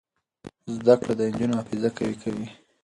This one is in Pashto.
زده کړه د نجونو حافظه قوي کوي.